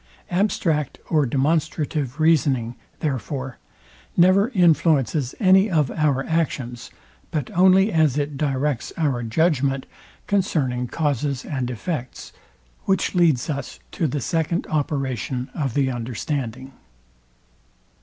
Abstract or demonstrative reasoning, therefore, never influences any of our actions, but only as it directs our judgment concerning causes and effects; which leads us to the second operation of the understanding.